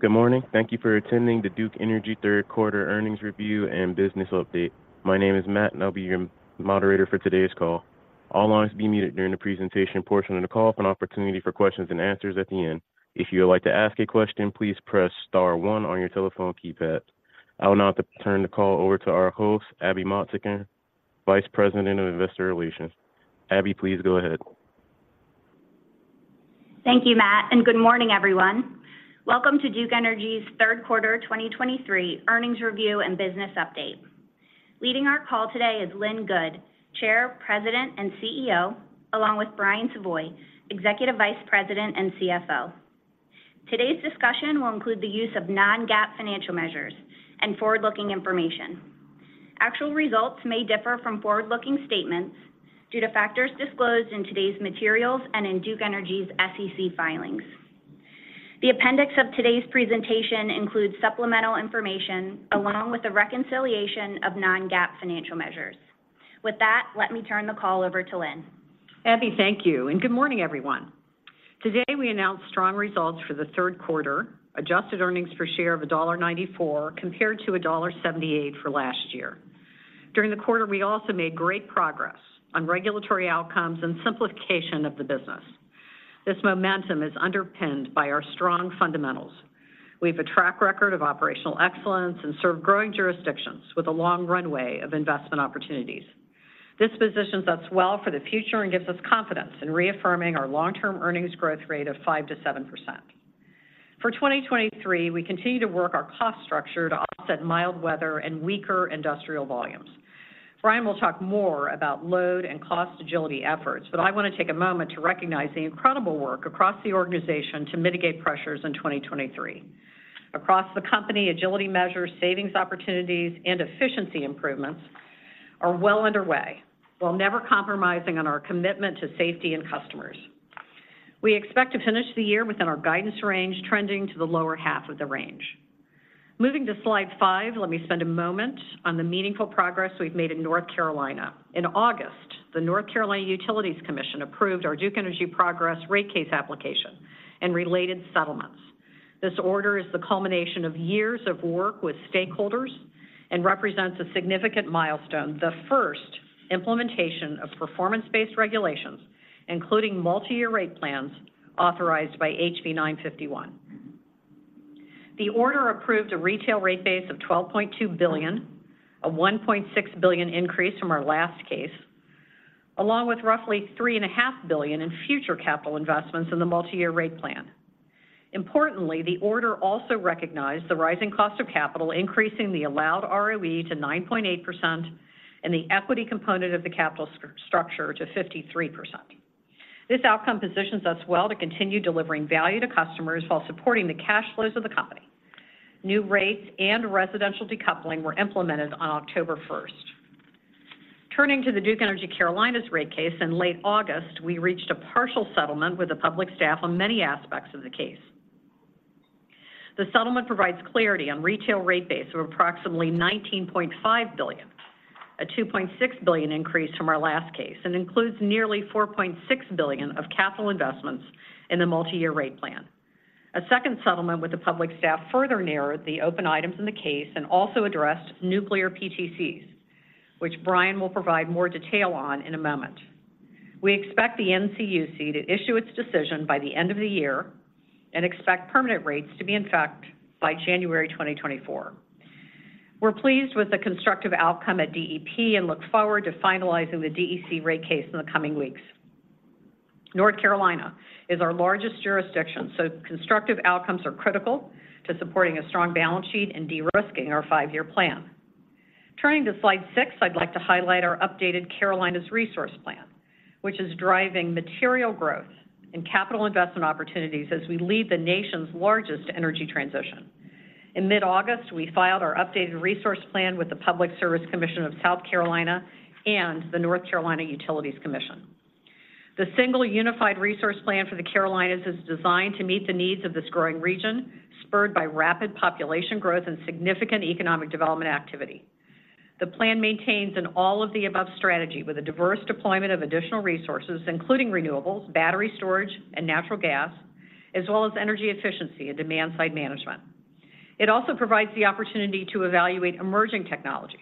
Good morning. Thank you for attending the Duke Energy Q3 earnings review and business update. My name is Matt, and I'll be your moderator for today's call. All lines will be muted during the presentation portion of the call with an opportunity for questions and answers at the end. If you would like to ask a question, please press star one on your telephone keypad. I will now turn the call over to our host, Abby Motsinger, Vice President of Investor Relations. Abby, please go ahead. Thank you, Matt, and good morning, everyone. Welcome to Duke Energy's Q3 2023 earnings review and business update. Leading our call today is Lynn Good, Chair, President, and CEO, along with Brian Savoy, Executive Vice President and CFO. Today's discussion will include the use of non-GAAP financial measures and forward-looking information. Actual results may differ from forward-looking statements due to factors disclosed in today's materials and in Duke Energy's SEC filings. The appendix of today's presentation includes supplemental information along with a reconciliation of non-GAAP financial measures. With that, let me turn the call over to Lynn. Abby, thank you, and good morning, everyone. Today, we announced strong results for the Q3. Adjusted earnings per share of $1.94, compared to $1.78 for last year. During the quarter, we also made great progress on regulatory outcomes and simplification of the business. This momentum is underpinned by our strong fundamentals. We have a track record of operational excellence and serve growing jurisdictions with a long runway of investment opportunities. This positions us well for the future and gives us confidence in reaffirming our long-term earnings growth rate of 5%-7%. For 2023, we continue to work our cost structure to offset mild weather and weaker industrial volumes. Brian will talk more about load and cost agility efforts, but I want to take a moment to recognize the incredible work across the organization to mitigate pressures in 2023. Across the company, agility measures, savings opportunities, and efficiency improvements are well underway, while never compromising on our commitment to safety and customers. We expect to finish the year within our guidance range, trending to the lower half of the range. Moving to slide 5, let me spend a moment on the meaningful progress we've made in North Carolina. In August, the North Carolina Utilities Commission approved our Duke Energy Progress rate case application and related settlements. This order is the culmination of years of work with stakeholders and represents a significant milestone, the first implementation of performance-based regulations, including multi-year rate plans authorized by HB 951. The order approved a retail rate base of $12.2 billion, a $1.6 billion increase from our last case, along with roughly $3.5 billion in future capital investments in the multi-year rate plan. Importantly, the order also recognized the rising cost of capital, increasing the allowed ROE to 9.8% and the equity component of the capital structure to 53%. This outcome positions us well to continue delivering value to customers while supporting the cash flows of the company. New rates and residential decoupling were implemented on October 1st. Turning to the Duke Energy Carolinas rate case in late August, we reached a partial settlement with the public staff on many aspects of the case. The settlement provides clarity on retail rate base of approximately $19.5 billion, a $2.6 billion increase from our last case, and includes nearly $4.6 billion of capital investments in the multi-year rate plan. A second settlement with the public staff further narrowed the open items in the case and also addressed nuclear PTCs, which Brian, will provide more detail on in a moment. We expect the NCUC to issue its decision by the end of the year and expect permanent rates to be in effect by January 2024. We're pleased with the constructive outcome at DEP and look forward to finalizing the DEC rate case in the coming weeks. North Carolina is our largest jurisdiction, so constructive outcomes are critical to supporting a strong balance sheet and de-risking our five-year plan. Turning to slide six, I'd like to highlight our updated Carolinas Resource Plan, which is driving material growth and capital investment opportunities as we lead the nation's largest energy transition. In mid-August, we filed our updated resource plan with the Public Service Commission of South Carolina and the North Carolina Utilities Commission. The single unified resource plan for the Carolinas is designed to meet the needs of this growing region, spurred by rapid population growth and significant economic development activity. The plan maintains an all-of-the-above strategy with a diverse deployment of additional resources, including renewables, battery storage, and natural gas, as well as energy efficiency and demand-side management. It also provides the opportunity to evaluate emerging technologies,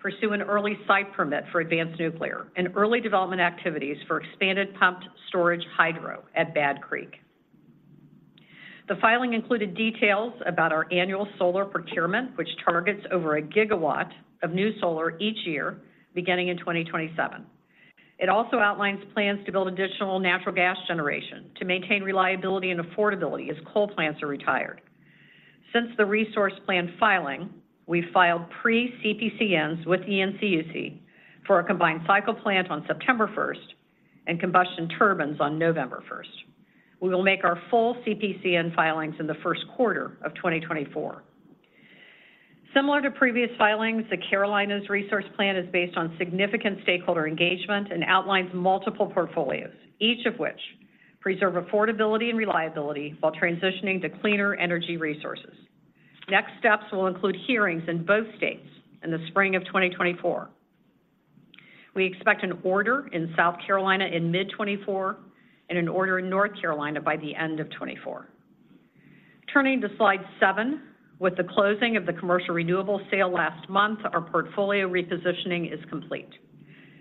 pursue an early site permit for advanced nuclear, and early development activities for expanded pumped storage hydro at Bad Creek. The filing included details about our annual solar procurement, which targets over a gigawatt of new solar each year, beginning in 2027. It also outlines plans to build additional natural gas generation to maintain reliability and affordability as coal plants are retired. Since the resource plan filing, we filed pre-CPCNs with the NCUC for a combined cycle plant on September 1st and combustion turbines on November 1st. We will make our full CPCN filings in the Q1 of 2024. Similar to previous filings, the Carolinas Resource Plan is based on significant stakeholder engagement and outlines multiple portfolios, each of which preserve affordability and reliability while transitioning to cleaner energy resources. Next steps will include hearings in both states in the spring of 2024. We expect an order in South Carolina in mid-2024 and an order in North Carolina by the end of 2024. Turning to slide seven, with the closing of the commercial renewable sale last month, our portfolio repositioning is complete.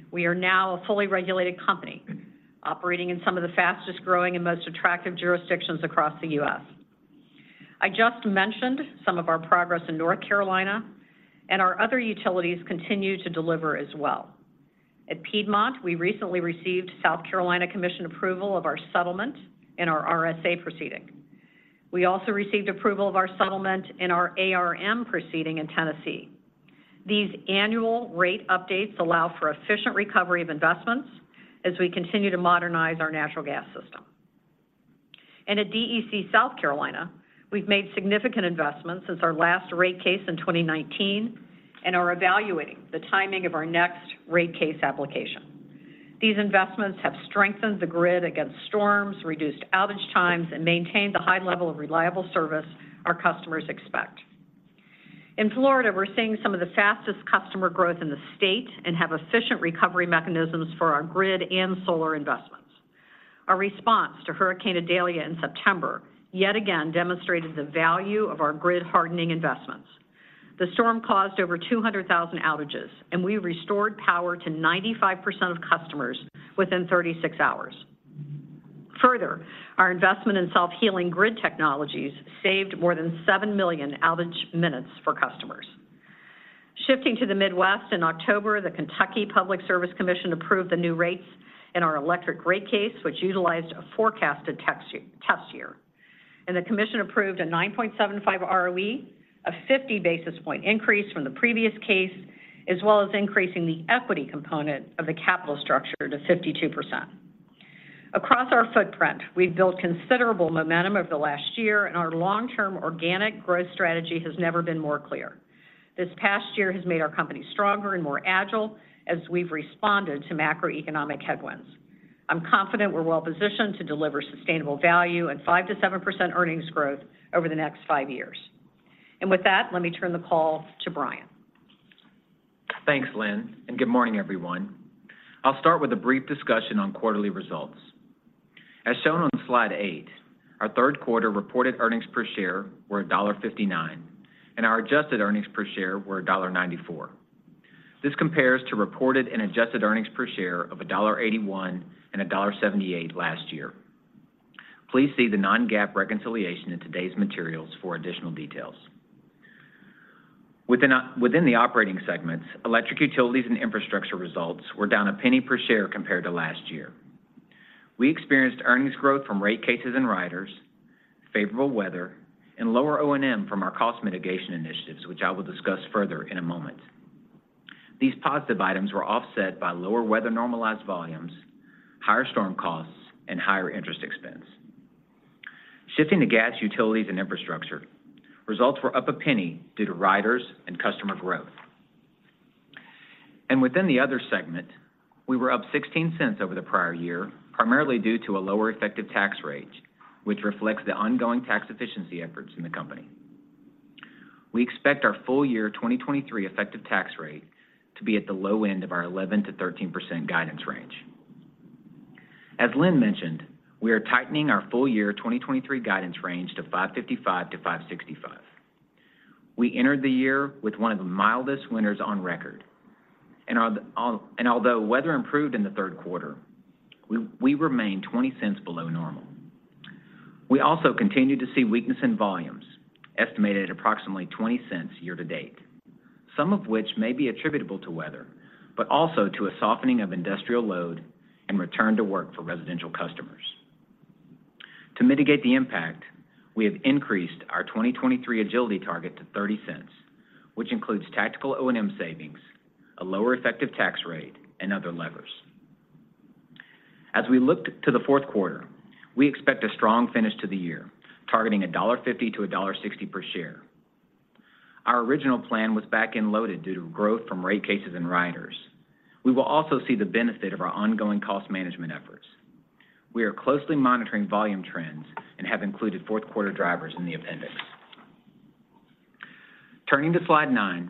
We are now a fully regulated company, operating in some of the fastest-growing and most attractive jurisdictions across the US. I just mentioned some of our progress in North Carolina, and our other utilities continue to deliver as well. At Piedmont, we recently received South Carolina Commission approval of our settlement and our RSA proceeding. We also received approval of our settlement in our ARM proceeding in Tennessee. These annual rate updates allow for efficient recovery of investments as we continue to modernize our natural gas system. And at DEC South Carolina, we've made significant investments since our last rate case in 2019, and are evaluating the timing of our next rate case application. These investments have strengthened the grid against storms, reduced outage times, and maintained the high level of reliable service our customers expect. In Florida, we're seeing some of the fastest customer growth in the state and have efficient recovery mechanisms for our grid and solar investments. Our response to Hurricane Idalia in September, yet again demonstrated the value of our grid-hardening investments. The storm caused over 200,000 outages, and we restored power to 95% of customers within 36 hours. Further, our investment in self-healing grid technologies saved more than 7 million outage minutes for customers. Shifting to the Midwest in October, the Kentucky Public Service Commission approved the new rates in our electric rate case, which utilized a forecasted test year. The commission approved a 9.75 ROE, a 50 basis point increase from the previous case, as well as increasing the equity component of the capital structure to 52%. Across our footprint, we've built considerable momentum over the last year, and our long-term organic growth strategy has never been more clear. This past year has made our company stronger and more agile as we've responded to macroeconomic headwinds. I'm confident we're well positioned to deliver sustainable value and 5%-7% earnings growth over the next five years. With that, let me turn the call to Brian. Thanks, Lynn, and good morning, everyone. I'll start with a brief discussion on quarterly results. As shown on slide eight, our Q3 reported earnings per share were $1.59, and our adjusted earnings per share were $1.94. This compares to reported and adjusted earnings per share of $1.81 and $1.78 last year. Please see the non-GAAP reconciliation in today's materials for additional details. Within the operating segments, electric utilities and infrastructure results were down a penny per share compared to last year. We experienced earnings growth from rate cases and riders, favorable weather, and lower O&M from our cost mitigation initiatives, which I will discuss further in a moment. These positive items were offset by lower weather-normalized volumes, higher storm costs, and higher interest expense. Shifting to gas, utilities, and infrastructure, results were up a penny due to riders and customer growth. Within the other segment, we were up $0.16 over the prior year, primarily due to a lower effective tax rate, which reflects the ongoing tax efficiency efforts in the company. We expect our full year 2023 effective tax rate to be at the low end of our 11%-13% guidance range. As Lynn mentioned, we are tightening our full year 2023 guidance range to $5.55-$5.65. We entered the year with one of the mildest winters on record, and although weather improved in the Q3, we remain $0.20 below normal. We also continue to see weakness in volumes, estimated at approximately $0.20 year to date, some of which may be attributable to weather, but also to a softening of industrial load and return to work for residential customers. To mitigate the impact, we have increased our 2023 agility target to $0.30, which includes tactical O&M savings, a lower effective tax rate, and other levers. As we look to the Q4, we expect a strong finish to the year, targeting $1.50-$1.60 per share. Our original plan was back-end loaded due to growth from rate cases and riders. We will also see the benefit of our ongoing cost management efforts. We are closely monitoring volume trends and have included Q4 drivers in the appendix. Turning to slide nine,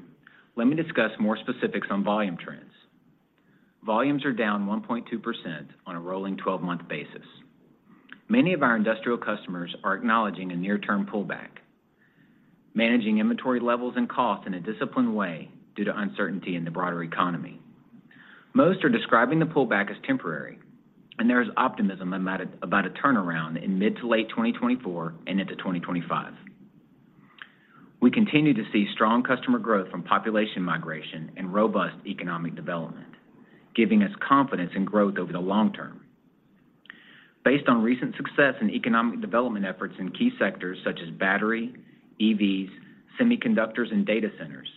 let me discuss more specifics on volume trends. Volumes are down 1.2% on a rolling 12-month basis. Many of our industrial customers are acknowledging a near-term pullback, managing inventory levels and costs in a disciplined way due to uncertainty in the broader economy. Most are describing the pullback as temporary, and there is optimism about a, about a turnaround in mid- to late-2024 and into 2025. We continue to see strong customer growth from population migration and robust economic development, giving us confidence in growth over the long term. Based on recent success in economic development efforts in key sectors such as battery, EVs, semiconductors, and data centers,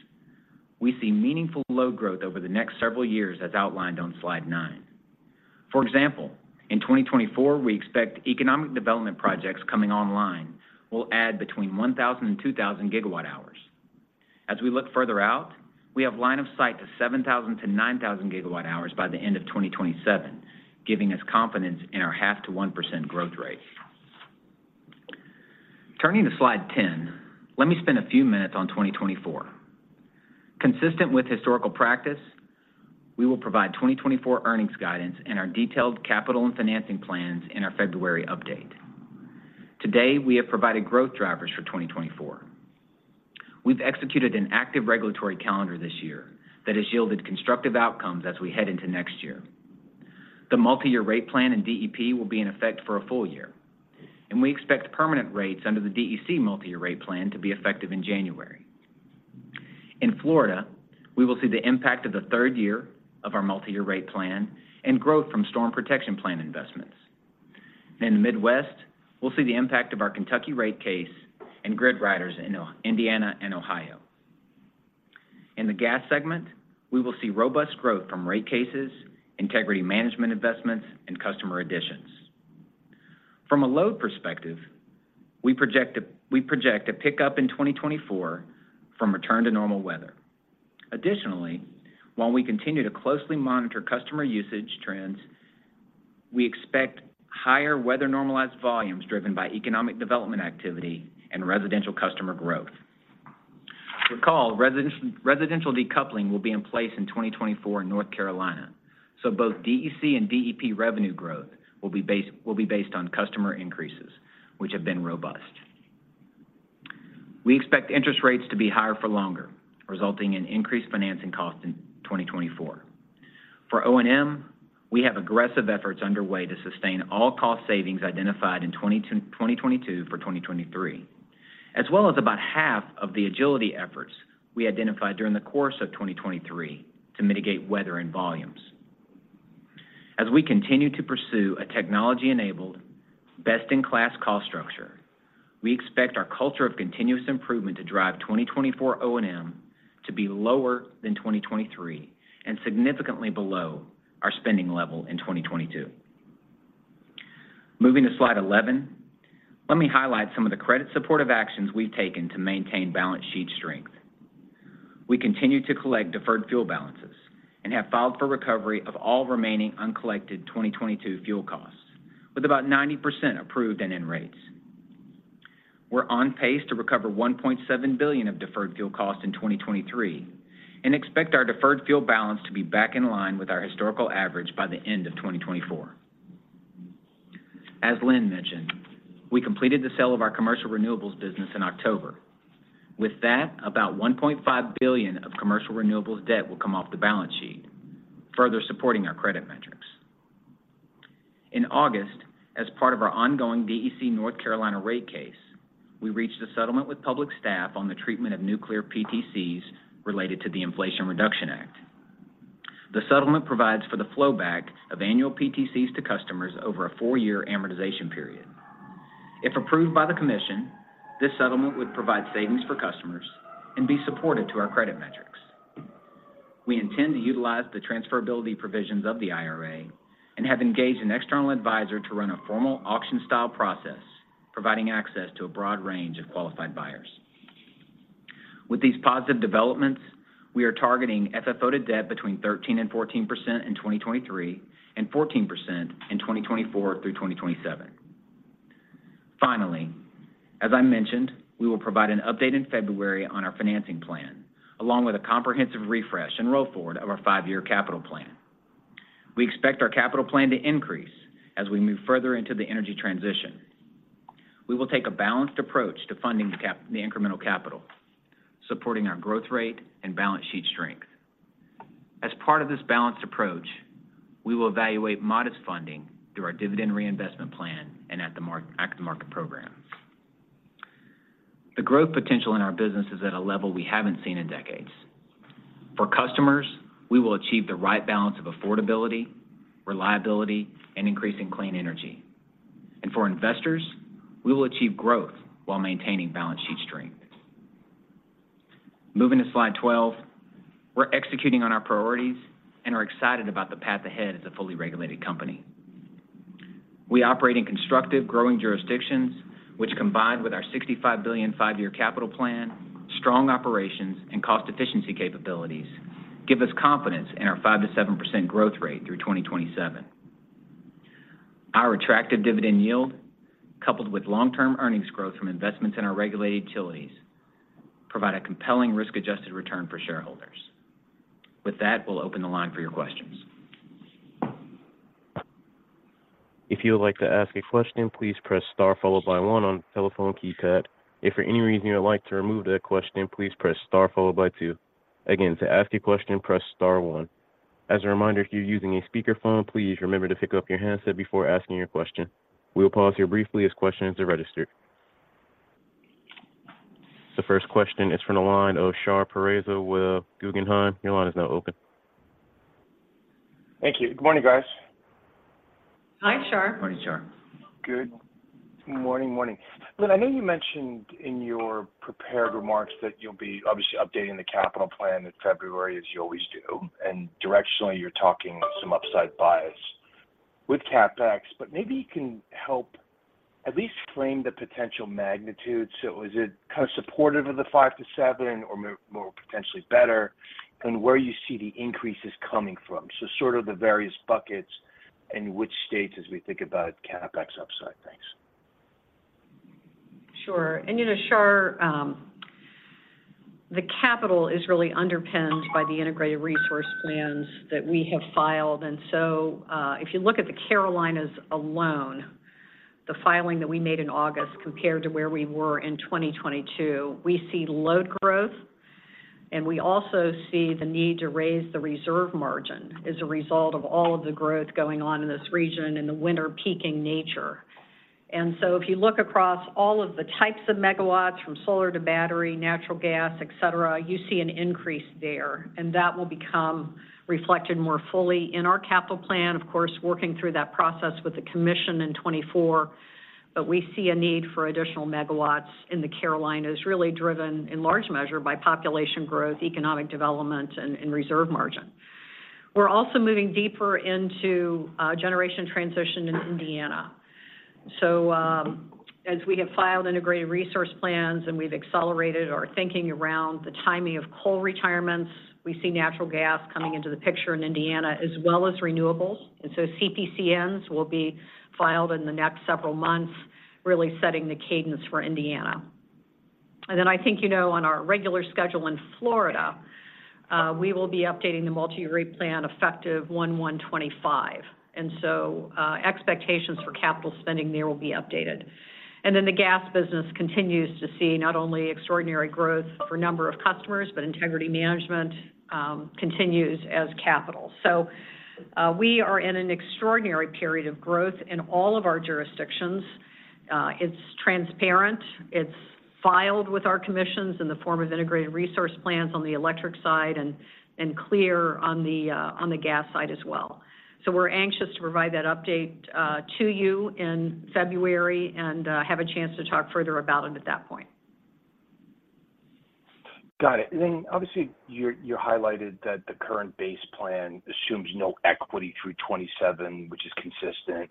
we see meaningful load growth over the next several years, as outlined on slide nine. For example, in 2024, we expect economic development projects coming online will add between 1,000 and 2,000 GWh. As we look further out, we have line of sight to 7,000 to 9,000 GWh by the end of 2027, giving us confidence in our 0.5%-1% growth rate.... Turning to slide 10, let me spend a few minutes on 2024. Consistent with historical practice, we will provide 2024 earnings guidance and our detailed capital and financing plans in our February update. Today, we have provided growth drivers for 2024. We've executed an active regulatory calendar this year that has yielded constructive outcomes as we head into next year. The multi-year rate plan in DEP will be in effect for a full year, and we expect permanent rates under the DEC multi-year rate plan to be effective in January. In Florida, we will see the impact of the third year of our multi-year rate plan and growth from storm protection plan investments. In the Midwest, we'll see the impact of our Kentucky rate case and grid riders in Indiana and Ohio. In the gas segment, we will see robust growth from rate cases, integrity management investments, and customer additions. From a load perspective, we project a pickup in 2024 from return to normal weather. Additionally, while we continue to closely monitor customer usage trends, we expect higher weather-normalized volumes driven by economic development activity and residential customer growth. Recall, residential decoupling will be in place in 2024 in North Carolina, so both DEC and DEP revenue growth will be based on customer increases, which have been robust. We expect interest rates to be higher for longer, resulting in increased financing costs in 2024. For O&M, we have aggressive efforts underway to sustain all cost savings identified in 2022 for 2023, as well as about half of the agility efforts we identified during the course of 2023 to mitigate weather and volumes. As we continue to pursue a technology-enabled, best-in-class cost structure, we expect our culture of continuous improvement to drive 2024 O&M to be lower than 2023 and significantly below our spending level in 2022. Moving to slide 11, let me highlight some of the credit-supportive actions we've taken to maintain balance sheet strength. We continue to collect deferred fuel balances and have filed for recovery of all remaining uncollected 2022 fuel costs, with about 90% approved and in rates. We're on pace to recover $1.7 billion of deferred fuel costs in 2023 and expect our deferred fuel balance to be back in line with our historical average by the end of 2024. As Lynn mentioned, we completed the sale of our commercial renewables business in October. With that, about $1.5 billion of commercial renewables debt will come off the balance sheet, further supporting our credit metrics. In August, as part of our ongoing DEC North Carolina rate case, we reached a settlement with public staff on the treatment of nuclear PTCs related to the Inflation Reduction Act. The settlement provides for the flowback of annual PTCs to customers over a four-year amortization period. If approved by the commission, this settlement would provide savings for customers and be supportive to our credit metrics. We intend to utilize the transferability provisions of the IRA and have engaged an external advisor to run a formal auction-style process, providing access to a broad range of qualified buyers. With these positive developments, we are targeting FFO to debt between 13% and 14% in 2023, and 14% in 2024 through 2027. Finally, as I mentioned, we will provide an update in February on our financing plan, along with a comprehensive refresh and roll-forward of our five-year capital plan. We expect our capital plan to increase as we move further into the energy transition. We will take a balanced approach to funding [gap] the incremental capital, supporting our growth rate and balance sheet strength. As part of this balanced approach, we will evaluate modest funding through our dividend reinvestment plan and at-the-market program. The growth potential in our business is at a level we haven't seen in decades. For customers, we will achieve the right balance of affordability, reliability, and increasing clean energy. And for investors, we will achieve growth while maintaining balance sheet strength. Moving to slide 12. We're executing on our priorities and are excited about the path ahead as a fully regulated company. We operate in constructive, growing jurisdictions, which, combined with our $65 billion five-year capital plan, strong operations, and cost efficiency capabilities, give us confidence in our 5%-7% growth rate through 2027. Our attractive dividend yield, coupled with long-term earnings growth from investments in our regulated utilities, provide a compelling risk-adjusted return for shareholders. With that, we'll open the line for your questions. If you would like to ask a question, please press star followed by one on the telephone keypad. If for any reason you would like to remove that question, please press star followed by two. Again, to ask a question, press star one. As a reminder, if you're using a speakerphone, please remember to pick up your handset before asking your question. We will pause here briefly as questions are registered. The first question is from the line of Shar Pourreza with Guggenheim. Your line is now open. Thank you. Good morning, guys. Hi, Shar. Morning, Shar. Good morning. Morning. Lynn, I know you mentioned in your prepared remarks that you'll be obviously updating the capital plan in February, as you always do, and directionally, you're talking some upside bias with CapEx, but maybe you can help at least frame the potential magnitude. So is it kind of supportive of the five to seven or more, potentially better than where you see the increases coming from? So sort of the various buckets, in which states as we think about CapEx upside? Thanks. Sure. And, you know, Shar, the capital is really underpinned by the integrated resource plans that we have filed. And so, if you look at the Carolinas alone, the filing that we made in August compared to where we were in 2022, we see load growth, and we also see the need to raise the reserve margin as a result of all of the growth going on in this region and the winter peaking nature. And so if you look across all of the types of megawatts, from solar to battery, natural gas, et cetera, you see an increase there, and that will become reflected more fully in our capital plan. Of course, working through that process with the commission in 2024. But we see a need for additional megawatts in the Carolinas, really driven in large measure by population growth, economic development, and reserve margin. We're also moving deeper into generation transition in Indiana. So, as we have filed integrated resource plans and we've accelerated our thinking around the timing of coal retirements, we see natural gas coming into the picture in Indiana as well as renewables. And so CPCNs will be filed in the next several months, really setting the cadence for Indiana. And then I think you know on our regular schedule in Florida, we will be updating the multi-rate plan effective 01/01/2025. And so, expectations for capital spending there will be updated. And then the gas business continues to see not only extraordinary growth for number of customers, but integrity management continues as capital. So, we are in an extraordinary period of growth in all of our jurisdictions. It's transparent, it's filed with our commissions in the form of integrated resource plans on the electric side and clear on the gas side as well. So we're anxious to provide that update to you in February and have a chance to talk further about it at that point. Got it. And then, obviously, you're, you highlighted that the current base plan assumes no equity through 2027, which is consistent,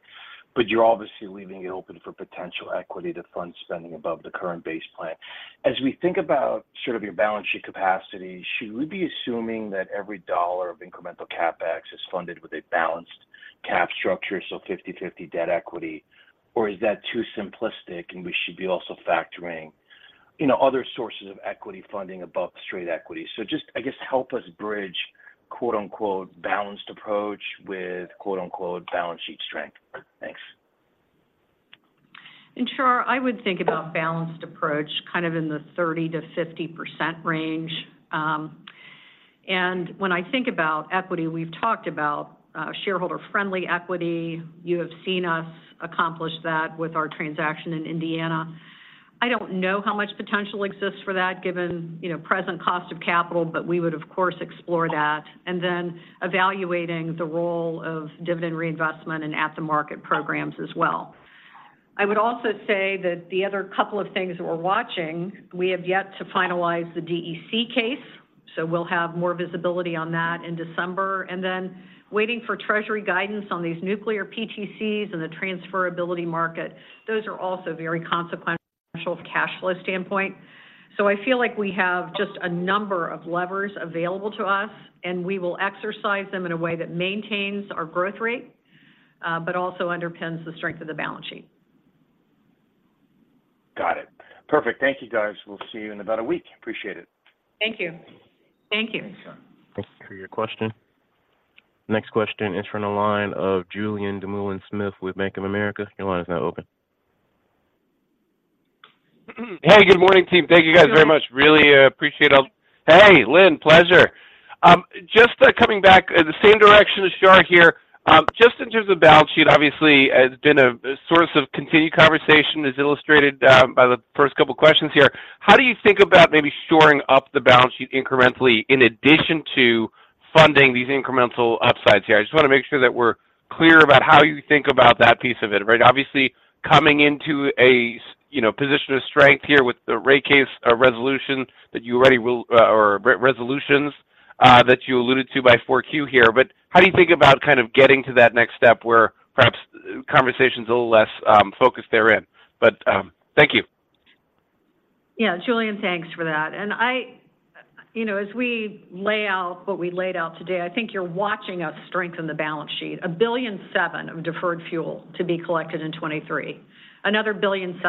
but you're obviously leaving it open for potential equity to fund spending above the current base plan. As we think about sort of your balance sheet capacity, should we be assuming that every dollar of incremental CapEx is funded with a balanced cap structure, so 50/50 debt equity? Or is that too simplistic, and we should be also factoring in other sources of equity funding above straight equity? So just, I guess, help us bridge, quote-unquote, "balanced approach" with quote-unquote, "balance sheet strength." Thanks. And Shar, I would think about balanced approach kind of in the 30%-50% range. And when I think about equity, we've talked about shareholder-friendly equity. You have seen us accomplish that with our transaction in Indiana. I don't know how much potential exists for that, given, you know, present cost of capital, but we would of course explore that, and then evaluating the role of dividend reinvestment and at-the-market programs as well. I would also say that the other couple of things that we're watching, we have yet to finalize the DEC case, so we'll have more visibility on that in December. And then waiting for Treasury guidance on these nuclear PTCs and the transferability market, those are also very consequential from a cash flow standpoint. I feel like we have just a number of levers available to us, and we will exercise them in a way that maintains our growth rate, but also underpins the strength of the balance sheet. Got it. Perfect. Thank you, guys. We'll see you in about a week. Appreciate it. Thank you. Thank you. Thanks, Shar. Thank you for your question. Next question is from the line of Julien Dumoulin-Smith with Bank of America. Your line is now open. Hey, good morning, team. Thank you, guys, very much. Really, appreciate it. Hey, Lynn, pleasure. Just coming back the same direction as Shar here. Just in terms of balance sheet, obviously, has been a source of continued conversation, as illustrated by the first couple of questions here. How do you think about maybe shoring up the balance sheet incrementally in addition to funding these incremental upsides here? I just want to make sure that we're clear about how you think about that piece of it, right? Obviously, coming into a you know, position of strength here with the rate case resolution that you already rule or resolutions that you alluded to by Q4 here. But how do you think about kind of getting to that next step where perhaps the conversation is a little less focused therein? But, thank you. Yeah. Julien, thanks for that. And, you know, as we lay out what we laid out today, I think you're watching us strengthen the balance sheet. $1.7 billion of deferred fuel to be collected in 2023. Another $1.7 billion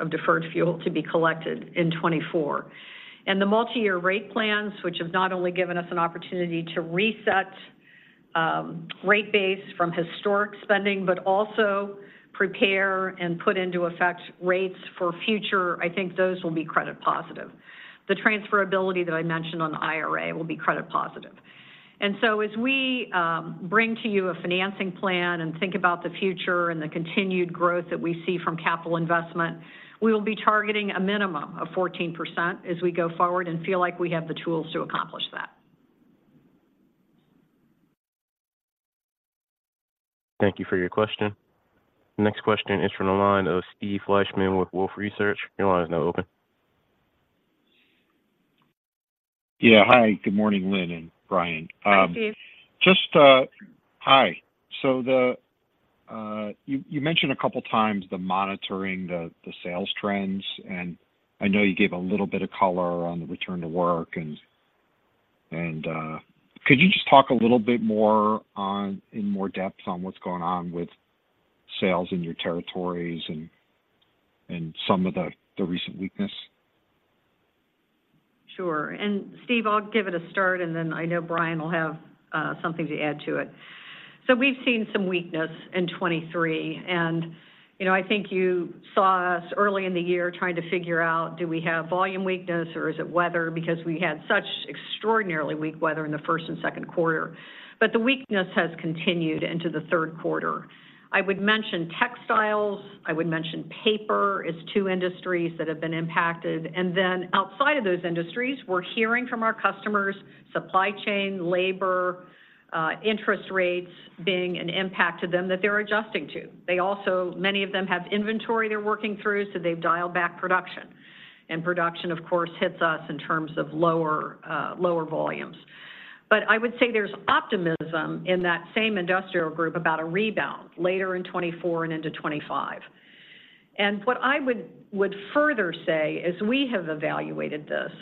of deferred fuel to be collected in 2024. And the multi-year rate plans, which have not only given us an opportunity to reset rate base from historic spending, but also prepare and put into effect rates for future, I think those will be credit positive. The transferability that I mentioned on the IRA will be credit positive. And so as we bring to you a financing plan and think about the future and the continued growth that we see from capital investment, we will be targeting a minimum of 14% as we go forward and feel like we have the tools to accomplish that. Thank you for your question. Next question is from the line of Steve Fleishman with Wolfe Research. Your line is now open. Yeah, hi, good morning, Lynn and Brian. Hi, Steve. Hi. So you mentioned a couple of times monitoring the sales trends, and I know you gave a little bit of color on the return to work. And could you just talk a little bit more on, in more depth, on what's going on with sales in your territories and some of the recent weakness? Sure. And Steve, I'll give it a start, and then I know Brian will have something to add to it. So we've seen some weakness in 2023, and, you know, I think you saw us early in the year trying to figure out, do we have volume weakness or is it weather? Because we had such extraordinarily weak weather in the Q1 and Q2. But the weakness has continued into the Q3. I would mention textiles, I would mention paper as two industries that have been impacted. And then outside of those industries, we're hearing from our customers, supply chain, labor, interest rates being an impact to them that they're adjusting to. They also, many of them have inventory they're working through, so they've dialed back production. Production of course, hits us in terms of lower, lower volumes. But I would say there's optimism in that same industrial group about a rebound later in 2024 and into 2025. And what I would, would further say is we have evaluated this.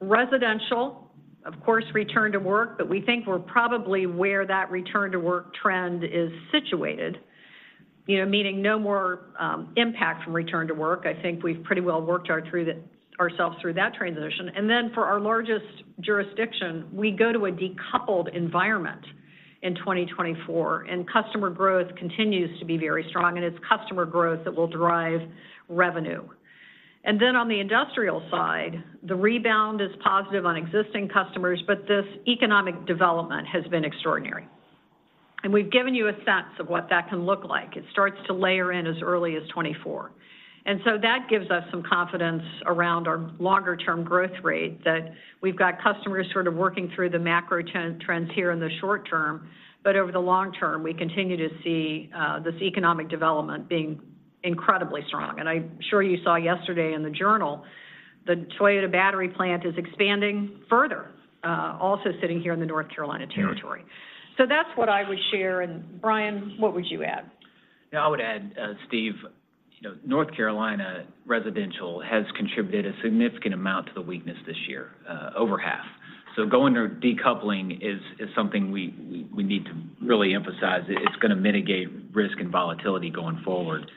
Residential, of course, return to work, but we think we're probably where that return-to-work trend is situated. You know, meaning no more impact from return to work. I think we've pretty well worked ourselves through that transition. And then, for our largest jurisdiction, we go to a decoupled environment in 2024, and customer growth continues to be very strong, and it's customer growth that will drive revenue. And then on the industrial side, the rebound is positive on existing customers, but this economic development has been extraordinary. And we've given you a sense of what that can look like. It starts to layer in as early as 2024. And so that gives us some confidence around our longer term growth rate, that we've got customers sort of working through the macro trends here in the short term, but over the long term, we continue to see this economic development being incredibly strong. And I'm sure you saw yesterday in the journal, the Toyota battery plant is expanding further, also sitting here in the North Carolina territory. That's what I would share. Brian, what would you add? Yeah, I would add, Steve, you know, North Carolina residential has contributed a significant amount to the weakness this year, over half. So going to decoupling is something we need to really emphasize. It's gonna mitigate risk and volatility going forward.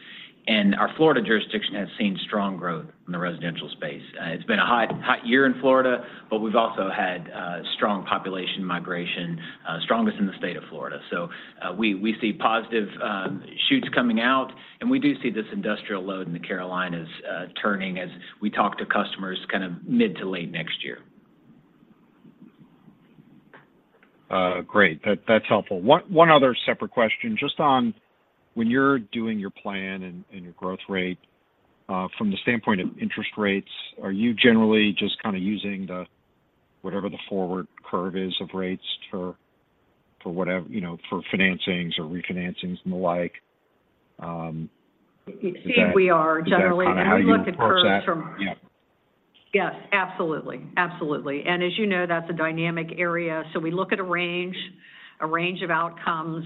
And our Florida jurisdiction has seen strong growth in the residential space. It's been a hot, hot year in Florida, but we've also had strong population migration, strongest in the state of Florida. So we see positive shoots coming out, and we do see this industrial load in the Carolinas turning as we talk to customers kind of mid to late next year. Great. That's helpful. One other separate question, just on when you're doing your plan and your growth rate, from the standpoint of interest rates, are you generally just kind of using whatever the forward curve is of rates for whatever, you know, for financings or refinancings and the like? It seems we are generally- Is that kind of how you approach that? We look at curves from- Yeah. Yes, absolutely. Absolutely. And as you know, that's a dynamic area. So we look at a range, a range of outcomes.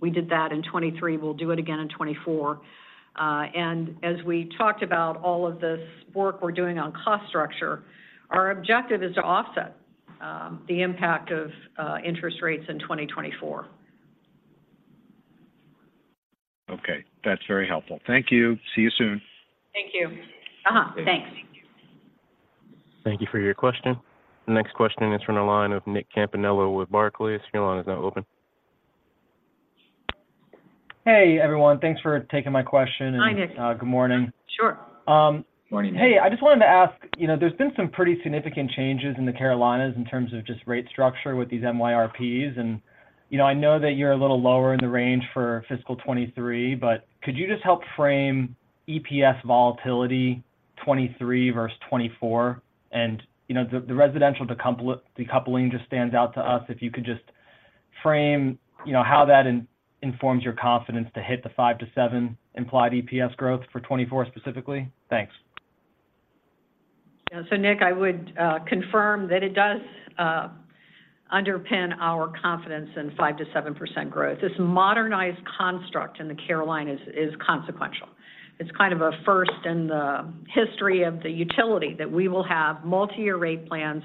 We did that in 2023, we'll do it again in 2024. And as we talked about all of this work we're doing on cost structure, our objective is to offset the impact of interest rates in 2024. Okay. That's very helpful. Thank you. See you soon. Thank you. Uh-huh, thanks. Thank you for your question. The next question is from the line of Nick Campanella with Barclays. Your line is now open. Hey, everyone. Thanks for taking my question. Hi, Nick. Good morning. Sure. Good morning, Nick. Hey, I just wanted to ask, you know, there's been some pretty significant changes in the Carolinas in terms of just rate structure with these MYRPs, and, you know, I know that you're a little lower in the range for fiscal 2023, but could you just help frame EPS volatility 2023 versus 2024? And, you know, the residential decoupling just stands out to us. If you could just frame, you know, how that informs your confidence to hit the five to seven implied EPS growth for 2024 specifically? Thanks. Yeah. So Nick, I would confirm that it does underpin our confidence in 5%-7% growth. This modernized construct in the Carolinas is consequential. It's kind of a first in the history of the utility, that we will have multi-year rate plans,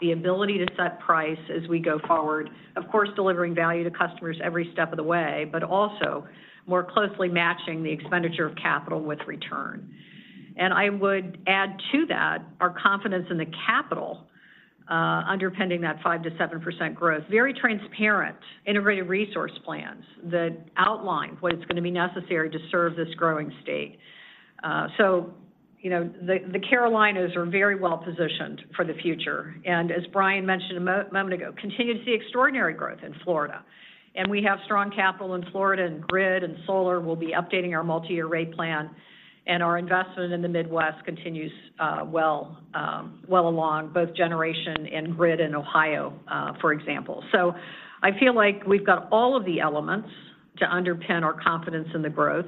the ability to set price as we go forward, of course, delivering value to customers every step of the way, but also more closely matching the expenditure of capital with return. And I would add to that, our confidence in the capital underpinning that 5%-7% growth, very transparent, integrated resource plans that outline what is going to be necessary to serve this growing state. So, you know, the Carolinas are very well positioned for the future, and as Brian mentioned a moment ago, continue to see extraordinary growth in Florida. We have strong capital in Florida, and grid and solar will be updating our multi-year rate plan, and our investment in the Midwest continues, well along, both generation and grid in Ohio, for example. So I feel like we've got all of the elements to underpin our confidence in the growth,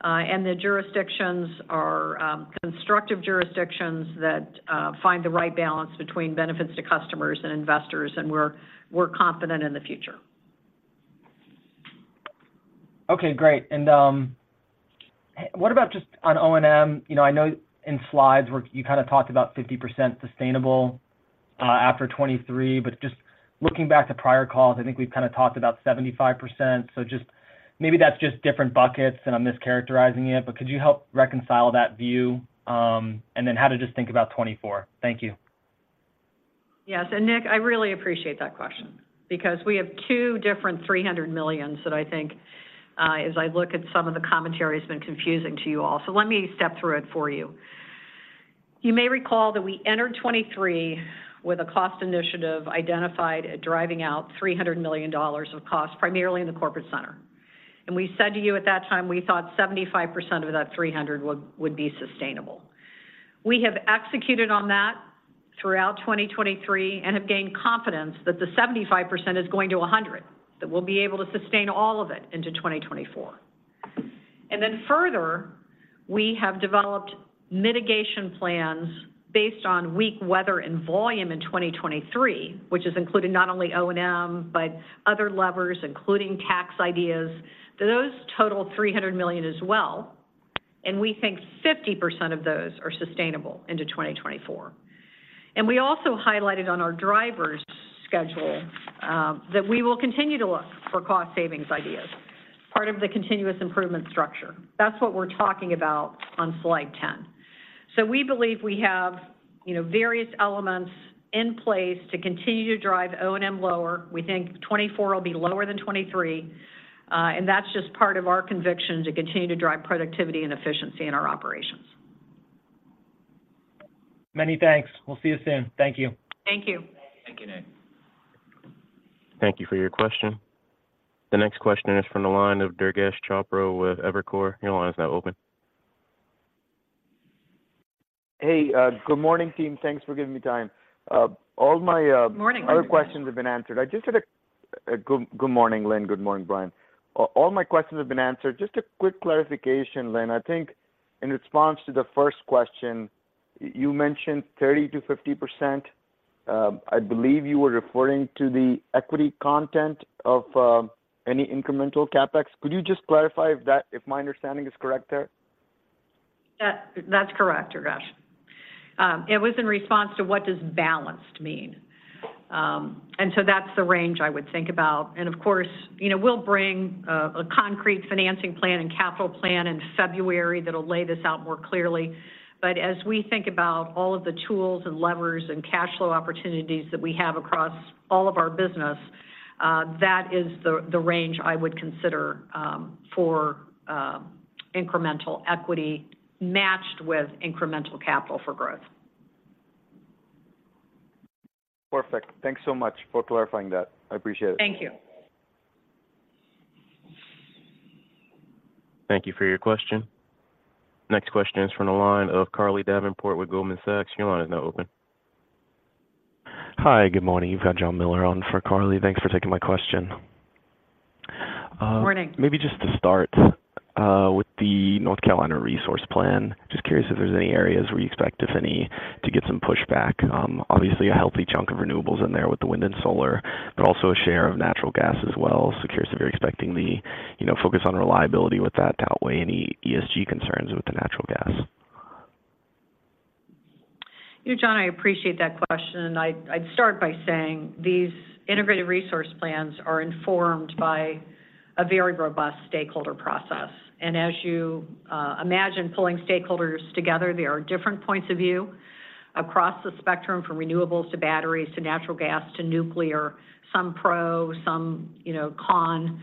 and the jurisdictions are constructive jurisdictions that find the right balance between benefits to customers and investors, and we're confident in the future. Okay, great. And, what about just on O&M? You know, I know in slides where you kind of talked about 50% sustainable, after 2023, but just looking back to prior calls, I think we've kind of talked about 75%. So just maybe that's just different buckets and I'm mischaracterizing it, but could you help reconcile that view, and then how to just think about 2024? Thank you. Yes, and Nick, I really appreciate that question because we have two different $300 millions that I think, as I look at some of the commentary, has been confusing to you all. So let me step through it for you. You may recall that we entered 2023 with a cost initiative, identified at driving out $300 million of costs, primarily in the corporate center. And we said to you at that time, we thought 75% of that $300 million would, would be sustainable. We have executed on that throughout 2023 and have gained confidence that the 75% is going to 100%, that we'll be able to sustain all of it into 2024. And then further, we have developed mitigation plans based on weak weather and volume in 2023, which has included not only O&M, but other levers, including tax ideas. Those total $300 million as well, and we think 50% of those are sustainable into 2024. And we also highlighted on our drivers' schedule that we will continue to look for cost savings ideas, part of the continuous improvement structure. That's what we're talking about on slide 10. So we believe we have, you know, various elements in place to continue to drive O&M lower. We think 2024 will be lower than 2023, and that's just part of our conviction to continue to drive productivity and efficiency in our operations. Many thanks. We'll see you soon. Thank you. Thank you. Thank you, Nick. Thank you for your question. The next question is from the line of Durgesh Chopra with Evercore. Your line is now open. Hey, good morning, team. Thanks for giving me time. All my, Morning. Other questions have been answered. Good morning, Lynn. Good morning, Brian. All my questions have been answered. Just a quick clarification, Lynn. I think in response to the first question, you mentioned 30%-50%. I believe you were referring to the equity content of any incremental CapEx. Could you just clarify if my understanding is correct there? That's correct, Durgesh. It was in response to what does "balanced" mean. And so that's the range I would think about. And of course, you know, we'll bring a concrete financing plan and capital plan in February that'll lay this out more clearly. But as we think about all of the tools and levers and cash flow opportunities that we have across all of our business, that is the range I would consider for incremental equity matched with incremental capital for growth. Perfect. Thanks so much for clarifying that. I appreciate it. Thank you. Thank you for your question. Next question is from the line of Carly Davenport with Goldman Sachs. Your line is now open. Hi, good morning. You've got John Miller on for Carly. Thanks for taking my question. Morning. Maybe just to start, with the North Carolina resource plan, just curious if there's any areas where you expect, if any, to get some pushback. Obviously, a healthy chunk of renewables in there with the wind and solar, but also a share of natural gas as well. So curious if you're expecting the, you know, focus on reliability with that to outweigh any ESG concerns with the natural gas. Thank you, John, I appreciate that question, and I'd start by saying these integrated resource plans are informed by a very robust stakeholder process. And as you imagine pulling stakeholders together, there are different points of view across the spectrum, from renewables to batteries to natural gas to nuclear. Some pro, some, you know, con,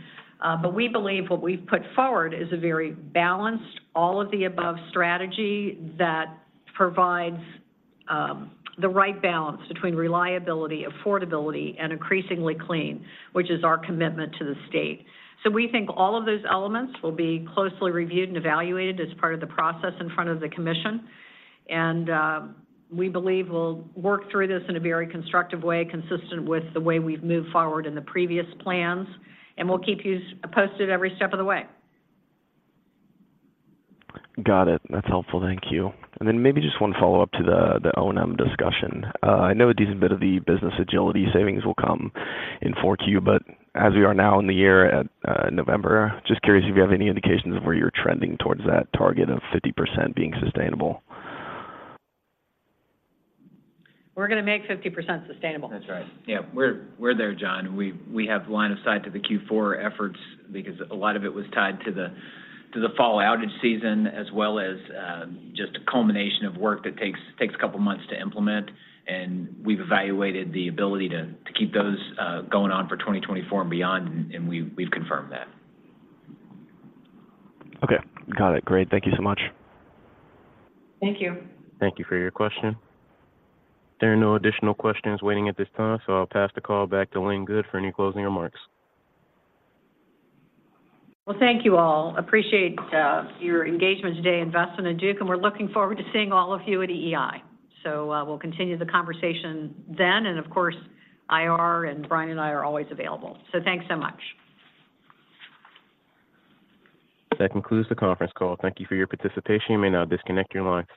but we believe what we've put forward is a very balanced, all-of-the-above strategy that provides the right balance between reliability, affordability, and increasingly clean, which is our commitment to the state. So we think all of those elements will be closely reviewed and evaluated as part of the process in front of the commission. And we believe we'll work through this in a very constructive way, consistent with the way we've moved forward in the previous plans, and we'll keep you posted every step of the way. Got it. That's helpful. Thank you. And then maybe just one follow-up to the O&M discussion. I know a decent bit of the business agility savings will come in Q4, but as we are now in the year at November, just curious if you have any indications of where you're trending towards that target of 50% being sustainable? We're going to make 50% sustainable. That's right. Yeah. We're there, John. We have line of sight to the Q4 efforts because a lot of it was tied to the fall outage season, as well as just a culmination of work that takes a couple of months to implement, and we've evaluated the ability to keep those going on for 2024 and beyond, and we've confirmed that. Okay. Got it. Great. Thank you so much. Thank you. Thank you for your question. There are no additional questions waiting at this time, so I'll pass the call back to Lynn Good, for any closing remarks. Well, thank you all. Appreciate, your engagement today, investment in Duke, and we're looking forward to seeing all of you at EEI. So, we'll continue the conversation then, and of course, IR and Brian and I are always available. So thanks so much. That concludes the conference call. Thank you for your participation. You may now disconnect your lines.